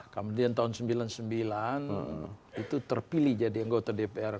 kemudian tahun seribu sembilan ratus sembilan puluh sembilan itu terpilih jadi anggota dpr